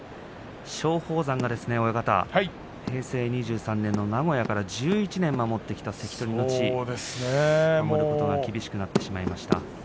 松鳳山が平成２３年の名古屋から１１年守ってきた関取の地位守ることが厳しくなってしまいました。